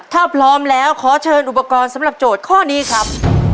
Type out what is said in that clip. ถ้าพร้อมแล้วขอเชิญอุปกรณ์สำหรับโจทย์ข้อนี้ครับ